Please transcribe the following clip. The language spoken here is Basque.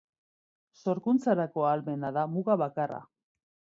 Sorkuntzarako ahalmena da muga bakarra.